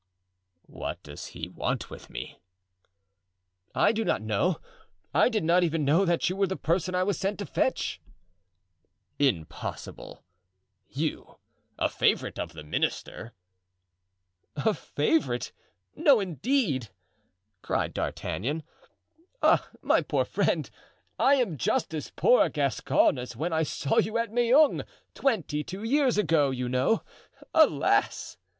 "What does he want with me?" "I do not know. I did not even know that you were the person I was sent to fetch." "Impossible—you—a favorite of the minister!" "A favorite! no, indeed!" cried D'Artagnan. "Ah, my poor friend! I am just as poor a Gascon as when I saw you at Meung, twenty two years ago, you know; alas!"